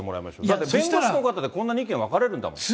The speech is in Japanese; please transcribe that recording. だって、弁護士の方でこんなに意見分かれるんだもん。